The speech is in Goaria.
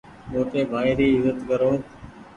موٽي ڀآئي ايزت ڪرو۔